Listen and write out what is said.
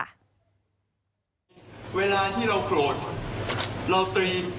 แต่ผมขอบคุณอย่างนึง